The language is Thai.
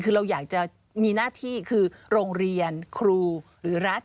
คือเราอยากจะมีหน้าที่คือโรงเรียนครูหรือรัฐ